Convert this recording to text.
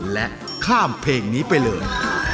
และข้ามเพลงนี้ไปเลย